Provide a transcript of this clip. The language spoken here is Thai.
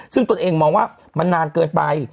ซึ่งตนเองมองว่ามันนานเกินไป